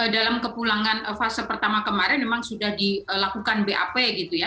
dalam kepulangan fase pertama kemarin memang sudah dilakukan bap gitu ya